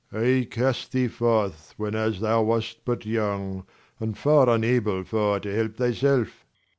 Leir. I cast thee forth, whenas thou wast but young, And far unable for to help thyself.